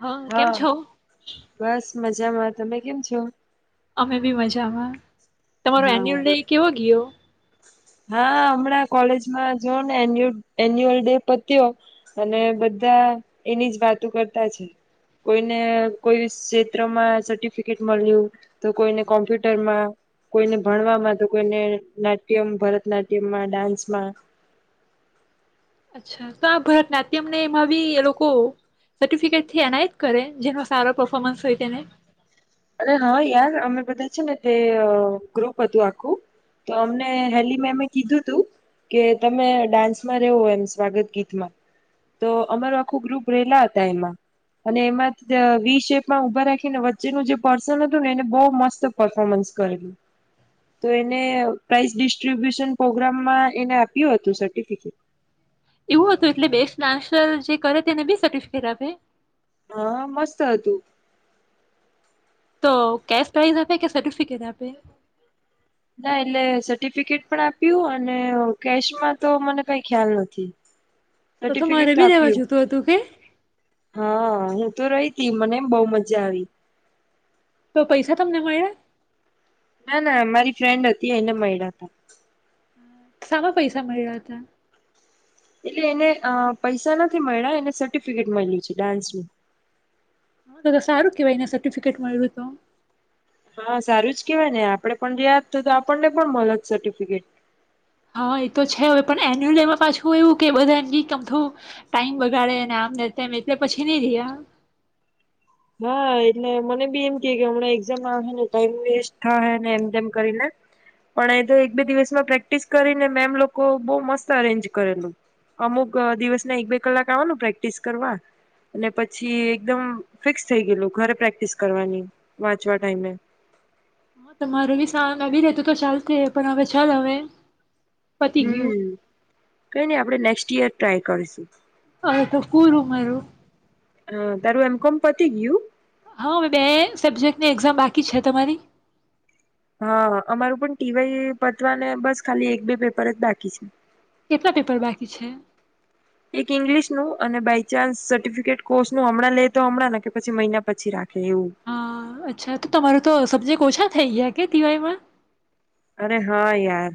હા, કેમ છો બસ મજામાં, તમે કેમ છો અમે બી મજામાં તમારો હા. એન્યુઅલ ડે કેવો ગયો હા હમણાં કોલેજમાં જો ને એ એન્યુઅલ ડે પત્યો અને બધા એની જ વાતો કરતા છે કોઈ ને કોઈ ક્ષેત્રમાં સર્ટિફિકેટ મળ્યું તો કોઈને કોમ્પ્યુટરમાં, કોઈને ભણવામાં તો કોઈને મ ભરતનાટ્યમમાં ડાન્સમાં અ્છા તો આ ભરતનાટ્યમ ને એમાં બી એ લોકો સર્ટીફીકેટ એનાયત કરે જેનો સારો પફોર્મન્સ હોય તેને અરે હા યાર અમે બધા છે, ને તે ગ્રુપ હતું આખું તો અમને હેલી મેમ અમે કીધું તું કે તમે ડાન્સમાં ર રેવો એમ સ્વાગત ગીતમાં તો અમાર આખું ગ્રુપ રેલા હતા એમાં અને એમાં વી શેપમાં ઉભા રાખીને વચ્ચેનું જે પર્સન હતું ને એને બહુ મસ્ત પફોર્મન્સ કરેલું, તો એને પ્રાઈઝ ડિસ્ટ્રીબ્યુશન પ્રોગ્રામમાં એને આપ્યું હતું સર્ટિફિકેટ એવું હતું એટલે બેસ્ટ ડાન્સર જે કરે તેને બી સર્ટિફિકેટ આપે હા, મસ્ત હતું તો કેશ પ્રાઇઝ આપે કે સર્ટિફિકેટ આપે ના એટલે સર્ટિફિકેટ પણ આપ્યું અને કેશમાં તો મને કઈ ખ્યાલ નથી તો તો મારે સર્ટિફિકેટ બી રેવા આપ્યું જોતું હતું કે હા હું તો રહી તી મને બહુ મજા આવી તો પૈસા તમને મળ્યા ના, ના, મારી ફ્રેન્ડ હતી એને મળ્યા હતા સામાં પૈસા મળ્યા હતા એટલે એને પૈસા નથી મળ્યા એને સર્ટિફિકેટ મળ્યું છે ડાન્સનું હ સારું કેવાયના સર્ટિફિકેટ મળ્યું તો હા, સારું જ કેવાય ને આપડે પણ રહ્યા હ હોત આપણને પણ મળત સર્ટિફિકેટ હા, એ તો છે પણ એન્યુઅલ ડેમા પાછું એવું કે બધા અમ થો ટાઈમ બગાડે આમ તેમ એટલે પછી નહી રહ્યા હા, એટલે મને બી એમ કે કે હમણાં એકઝામ આવેને ટાઈમ વેસ્ટ થાય ને એમ તેમ કરીને પણ એ તો એક બે દિવસમાં પ્રેક્ટિસ કરીને મેમ લોકો બહુ મસ્ત અરેન્જ કરેલું અમુક દિવસ ના એક બે કલાક આવાનું પ્રેક્ટિસ કરવા અને પછી એકદમ ફિક્સ થઈ ગયેલું ઘરે પ્રેક્ટિસ કરવાની, વાંચવા ટાઈમે હા તમારું બી સાાન આવી રેતું તો ચાલતી પણ હવે ચાલ હવે પતી ગયું હમ કઈ નઈ આપડે નેક્સ્ટ ઈયર ટ્રાય કરીશું હા, તો કુરું મારું હ, તારું એમ કોમ પતી ગયું હા, બે સબ્જેક્ટની એક્ઝામ બાકી છે તમારી હા, અમારું પણ ટીવાય પતવા ને બસ ખાલી એક બે પેપર જ બાકી છે કેટલા પેપર બાકી છે એક ઇંગ્લિશ નું અને બાય ચાન્સ સર્ટિફિકેટ કોર્સ નુ હમણાં લે તો હમણાં ને કે પછી મહિના પછી રાખે એવું. હા અચ્છા તો તમારોું તો સબ્જેક્ટ ઓછા થઈ ગયા કે ટી વાય માં અરે હા યાર.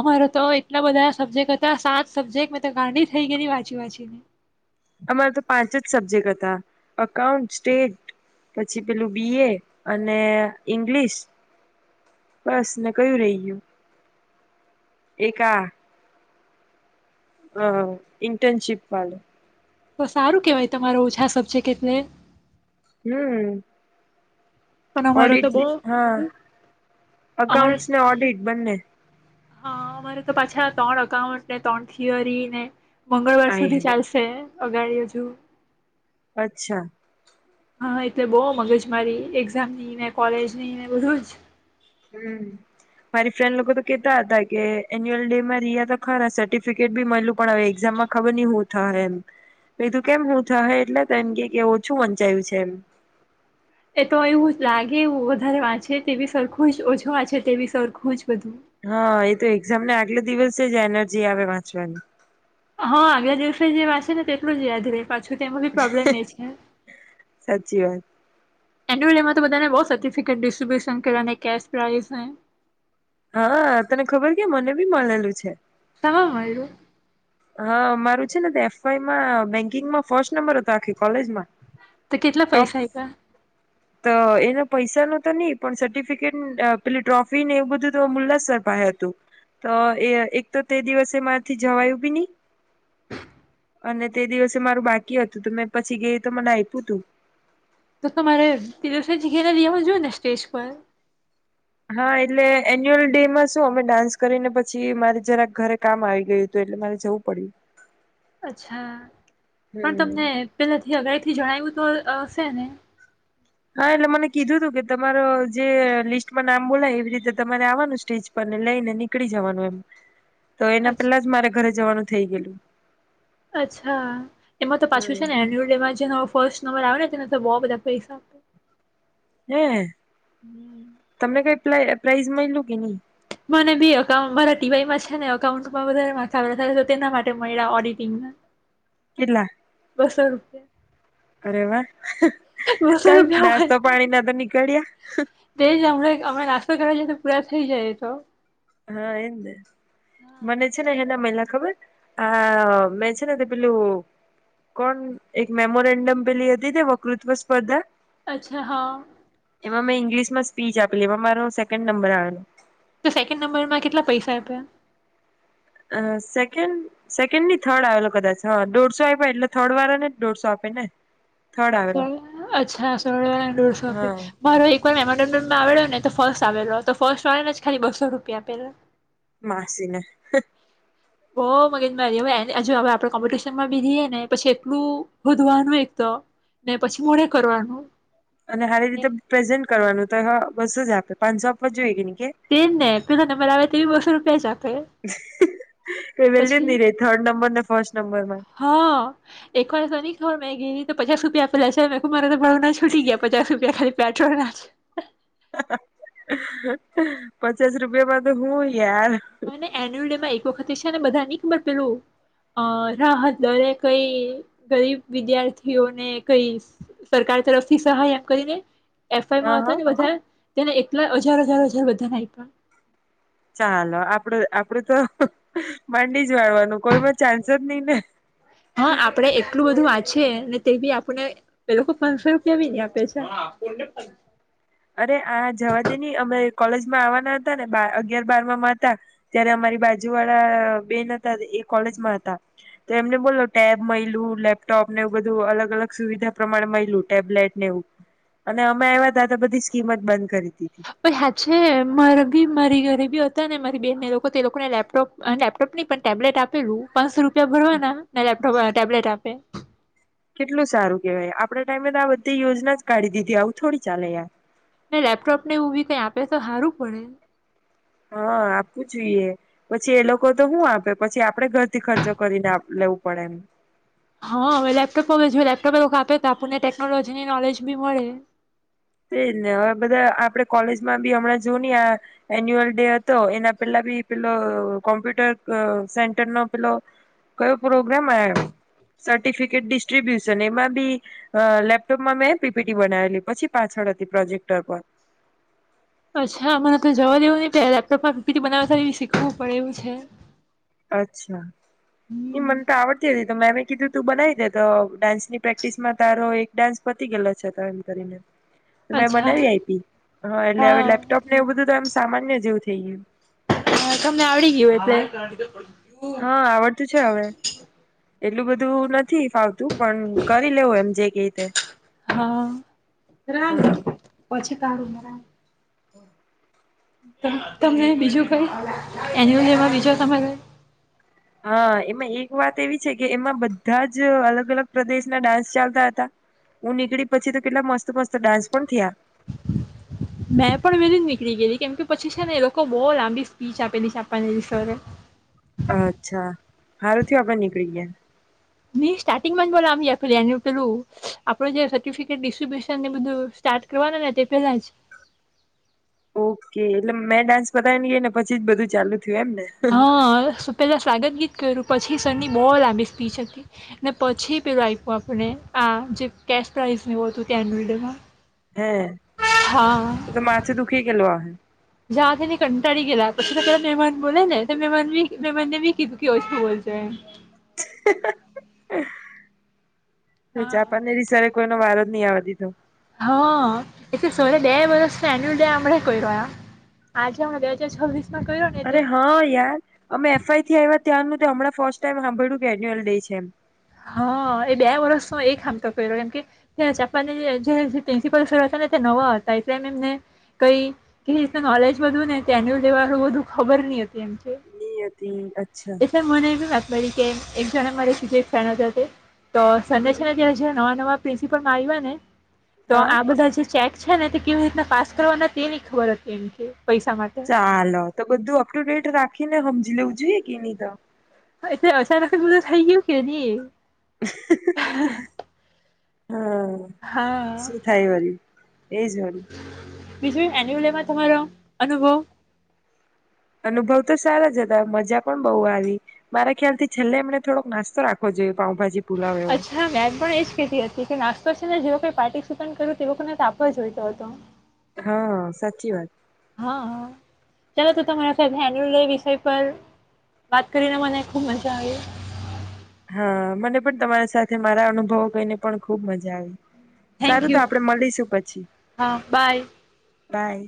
અમારા તો એટલા બધા સબ્જેક્ટ હતા સાત સબ્જેક્ટ મેં તો ગાંડી થઈ ગેયેલી વાંચી વાંચીને. અમારા તો પાંચ જ સબ્જેક્ટ હતા અઉન્ટ સ્ટેટ પછી પેલું બી એ અને ઈંગ્લિશ બસ ને કયું રહીગ્યું એક આ હ હ ઇન્ટર્નશીપ વાળું. તો સારું કેવાય તમારો ઓછા સબ્જેક્ટ એટલે હમ્મ. પણ અમારો તો ઓડિટ બહુ હા અમારો અકાઉન્ટ્સ ને ઓડિટ બંને. હા અમારે તો પાછા ત્રણ એકાઉન્ટ ને ત્રણ થિયરી ને મંગળવાર આય સુધી હાય ચાલશે. અગાડી હજુ અચ્છા. હા એટલે બો મગજ મારી એક્ઝામ નીને કોલેજ ની ને બધું જ. હમ મારી ફ્રેન્ડ લોકો તો કેતા હતા કે એન્યુઅલ ડેમાં રિયા તો ખરા સર્ટિફિકેટ બી મળલું પણ એક્ઝામમાં ખબર નહ હું થહે મેં કીધું કેમ હું થહે એટલે એમ કે ઓ ઓછું વંચાયું છે એમ એ તો એવું લાગે એવું વધારે વાચે તે બી સરખું જ ઓછુ વાચે તે બી સરખું જ બધું હા એજ તે એક્ઝામને આગલે દિવસે જ એનર્જી આવે વાંચવાની હા આગલા દિવસે જે વાંચે તેટલું જ યાદી રહે પ છું તેમાં બી પ્રોબ્લેમ એ છે સાચી વાત એન્યુઅલ ડે માં તો બધાને બો સર્ટિફિકેટ ડિસ્ટ્રીિબ્યુશન કર ને કેશ પ્રાઈસ ને હા, તને ખબર કે મને બી મળેલું છે. સામા મળેલું. હા, મારું છે ને એફઆઈમાં બેન્કિંગમાં ફર્સ્ટ નંબર હતો, આખી કોલેજમાં. તો કેટલા ટોપ પૈસા આપ્યા? તો એના પૈસા ન તો નહી, પણ સર્ટિફિકેટ પેલી ટ્રોફી ને એવું બધું તો મુલ્લાસર પાયે હતું, તો એ એક તો તે દિવસે મારા થી જવાયું બી નહી અને તે દિવસે મારું બાકી હતું, તો મેં પછી ગઈ તો મને આપ્યું હતું. તો તમારે તે દિવસે ગઈને લઈ આવવું જોઈએ ને સ્ટેજ પર હા, એટલે એન્યુઅલ ડેમાં શું અમે ડાન્સ કરીને પછી મારે જરાક ઘરે કામ આવી ગયું હતું એટલે મારે જવું પડ્યું. અચ્છા પણ હમ તમને પેલા થી અગાઉથી જણાવ્યું તો હશે ને હા એટલે મને કીધું તું કે તમારો જે લિસ્ટમાં નામ બોલાય એવી રીતે તમારે આવવાનું સ્ટેજ પર ને લઈને નીકળી જવાનું એમ તો એના અચ્છા પેલા જ મારે ઘરે જવાનું થઇ ગયેલું. અચ્છા એમાં તો પાછું છે, હમ ને એન્યુઅલ ડેમાં જે નો ફર્સ્ટ નંબર આવે ને ને તેના તો બો બધા પૈસા હે હમ્મ. તમને કઈ પ્રાઇઝ માયલું કે ની મને બી એકાઉન્ટ મારા ટીવાય મા છે, ને અકાઉન્ટમાં વધારે માર્ક આવેલ તેના માટે મળ્યા ઓડિટિંગ ના કેટલા. બસો રૂપિયા. અરે વા બસો ચાલ રૂપિયા નાસ્તો હોય પાણી ના તો નીકળ્યા. તે જ હમણાં અમે નાસ્તો કરવા જઈએ તો પૂરા થઈ જાયએ તો હા એને હા. મને છે ને એેના મહિલા ખબર આ મેં છે ને પેલું કોણ એક મેમોરેન્ડમ પેલી હતી વકૃત્વ સ્પર્ધા અચ્છા હા. એમાં મેં ઇંગ્લિશમાં સ્પીચ આપેલી એ મારો સેકન્ડ નંબર આવેલો તો સેકન્ડ નંબરમાં કેટલા પૈસા આપ્યા અ સેકન્ડ સેકન્ડ ની થર્ડ આવેલો કદાચ હ દોઢસો આપ એટલે થર્ડ વાળા ને દોઢસો આપે ને થર્ડ ો આવેલો અચ્છા સોળવાળને દોરસો આપે હા મારો એક એમાં આવે્યો ને તો ફર્સ્ટ આવેલો તો ફર્સ્ટ આવે જ ખાલી બસો રૂપિયા આપેલો માસીને ઓ મગનભાઈ હવેજ હવે આપડણે કોમ્પિટશનમાં બીધએ ને પછી એટલું શોધવાનું એક તો ને પછી મોડે કરવાનું અને સારી રીતે પ્રેઝન્ટ કરવાનું બસ જ આપે પાંચસો આપવા જોઈએ કે ન તેજ ને પેધને મરે આવે તેવી બર બેજક કઈ વેલી જ નહી રે થર્ડ નંબર ને ફર્સ્ટ નંબરમાં હ મેં ગઈી પચાસ રપિયા પ લસે મે મારે તો માગના છુટી ગ પચાસપ બે ખાલી પેટ્રો ના છે પચાસ રૂપિયામાં તો હું યાર એન્યુલ ડે માં એક વખત દશા ને બધા ન ખબર પેલું અ રાહત દરેે કઈ ગરીબ વિદ્યાર્થીઓને કઈ સરકાર તરફથી સહાયમ કરીને હા એફઆઈમાં હતા હા ને બધા તેને એલા હજાર હજાર હજાર બધાને આપ્યા ચાલો આપડ આપડું તો માંડી જ વાળવાનું કોઈ બ હા આપડે એટલું બધું વાંચ છે ને તે બી આપણને એ લોકો પાંચસો રૂપિયા બી ન આપે છે અરે આ જવા દે ન અમે કોલેજમાં આવવાના હતા ને અગયાર બારમાંમાં હતા ત્યારે અમારી બાજુ વાળા બેન હતા એ કોલેજમાં હતા તો એમને બોલો ટેબ મળયલું લેપટોપ ને એવું બધું અલગ અલગ સુવિધા પ્રમાણે મળયલું ટેબલેટ ને એવું અને અમે આવ્યા ત પછ હયા છે મારે બી મારી ઘરે બી મારી બેન લોકો લોકોને લેપટોપ લેપટોપ ન પણ ટેબ્લેટ આપેલું પાંચસો રૂપિયા ભરવાના લેપટોપ ટેબલેટ આપે કેટલું સારું કેહેવાય આપણે ટાઈમે તો આ બધી યોજના જ કાઢી દીધી આવું થોડી ચાલે યાર ને લેપટોપ ને એ બી કઈ આપે તો સારું પડે હા આપવું જોઈએ પછી એ લોકો તો શું આપે પછી આપડે ઘરથી ખર્ચો કરીને લેવું પડે એમ હા હ લેપટોપમાં લેપટોપ એ લોકો આપે તો આપણને ટેકનોલોજી ની નોલેજ ભી મળે તેજ ને હવે બધા આપડે કોલેજમાં બી હમણાં જો ન આ એન્યુઅલ ડે હતો એના પેલા બી પેલો કોમ્પ્યુટર સેન્ટર નો પેલો કયો પ્રોગ્રામ આ સર્ટિફિકેટ ડિસ્ટ્રીબ્યુશન એમાં બી લેપટોપમાં મેં પીપીટી બનાવેલી પછી પાછળ હતી પ્રોજેક્ટ પર અચ્છા મને તો જવા દેવું નહ લેપટોપમાંીપીટી બનાવવા એ શીખવું પડેું છે અચ્છા નિમ્ંત હમ આવત તો મેમે કીધું તું બનાવી દે તો ડાન્સની પ્રેક્ટિસ માં તારો એક ડાન્સ પતી ગેલો છે તો એમ કરીને મે અચ્છા બનાવી આપી હા એટલે હવે લેપટોપ ને એવું બધુંમ સામાન્ય જેવું થઈ એમ હા તમને આવડી ગય હોય તે હા આવડતું છે હવે. એટલું બધું નથી ફાવતું. પણ કરી લેવું એમ જે કે [inaudible] હા હા રાની પછી તમે બીજું કઈ એનું લેવા બીજો તમારે હા એમાં એક વાત એવી છે કે એમાં બધા જ અલગ અલગ પ્રદેશના ડાન્સ ચાલતા હતા હું નીકળી પછી તો કેટલા મસ્ત મસ્ત ડાન્સ પણ થયા. મેં પણ વેલી જ નીકળી ગયેલી કેમ કે પછી છે ને એ લોકો બહુ લાંબી સ્પીચ આપેલી છાપવાની સરે અચ્છા હારું થયું આપડે નીકળી ગયા. નઈ સ્ટાર્ટિંગમાં જ બોલો આમ પે એનું પેલું આપડે જે સર્ટિફિકેટ ડિસ્ટ્રીબ્યુશનને બધું સ્ટાર્ટ કરવાનું ને તે પેલા જ ઓકે એટલે મેં ડાન્સ બતાવી ગયાને પછી જ બધું ચાલુ થયું એમ ને. હા, સુ પહેલા સ્વાગત ગી કર્યું પછી સરની બહુ લાંબી સ્પીચ હતી, ને પછી પેલું આપ્યું આપણને, આ જે કેશ પ્રાઇઝ એવું હતું એન્યુઅલડેમાં હે, તો માથું દુખી ગેલો અહે જવા દેની કંટાળી ગેલા પછી, તો કરા મહેમાન બોલેને તે મહેમાની મમાન ને બી કીધું ક ઓય બોલ [unintelligible] હા. જાપાન ની રિશારે કોઈનો વારો ની, આવા દીધો હા, એ તો સરે બે વર્ષનો એન્યુઅલ ડે હમણાં કર્યો આ આજે અમે બે હજાર છવવીસ અરે હા યાર અમે એફઆઈ થી આવ્યા ત્યાંનું તો હમં ફર્સ્ટ ટાઈમ હાભળ્યું એન્યુઅલ ડે છે એમ હા, એ બે વર્ષનો એક હામટો કર્યો એમ કે, ત્યાં ચાંપાનેરીએ [unintelligible] જે પ્રિન્સિપાલ સર હતા ને તે નવા હતા એટલે એમ એમને, કઈ કેવી રીતના નોલેજ બધુ ને તે એન્યુલ ડે વાળું ખબર ની હતી એમ ની હતી અચ્છા. એટલે મને એવી વાત મળી કે એક જણે મરે કીધે તેના સાથે તો સંદેશ માં ત્યાં જ્યાં નવા નવા પ્રિન્સિપલમાં આવ્યા ને તો હા આ બધા જે ચેક છે ને તે કેવી રીતના પાસ કરવાના તે ન ખબર હતી એમ કે પૈસા માટે ચાલો, તો બધું અપ ટુ ડેટ રાખીને લવું જોઈએ કે નહી તો એટલે અચાનક જ બધુ થઈ ગયું કે ની હા, હા હા, શું થાય વરી એ જ વળી વિશે એન્યુલ ડે માં તમારો અનુભવ અનુભવ તો સારા જ હતા મજા પણ બહુ આવી. મારા ખ્યાલ થી છેલ્લે એમને થોડોક નાસ્તો રાખવો જોઈએ પાઉભાજી પુલાવ એવો. અચ્છા મે પણ એજ કેતી હતી કે નાસ્ તો છે ને જે લોકોએ પાર્ટીસિપેંટ કર્યુ તે લોકોને તો આપવો જોઈતો હતો. હા સાચી વાત. હા હ ચાલો તો તમારા સાહેબના એનુઅલ ડે વિષય પર વાત કરીને મને ખુબ મજા આવી. હા મને પણ તમારી સાથે મારા અનુભવો કહીને પણ ખુબ મજા આવે. થેન્ક સારું તો યુ આપડે મળીશું પછી હા બાય બાય.